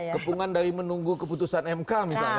kepungan dari menunggu keputusan mk misalnya